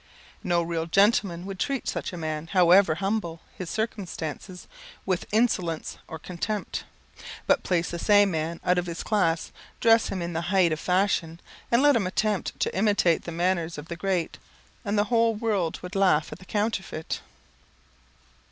No real gentleman would treat such a man, however humble his circumstances, with insolence or contempt. But place the same man out of his class, dress him in the height of fashion, and let him attempt to imitate the manners of the great, and the whole world would laugh at the counterfeit.